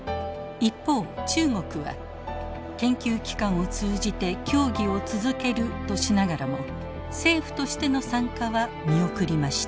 一方中国は研究機関を通じて協議を続けるとしながらも政府としての参加は見送りました。